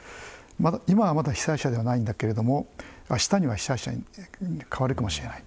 今はまだ被災者ではないんだけれどもあしたには被災者に変わるかもしれない。